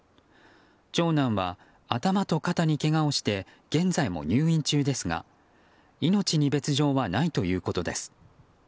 長男は頭と肩にけがをして現在も入院中ですが命に別条はないということです。